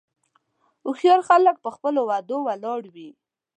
هوښیار خلک په خپلو وعدو ولاړ وي.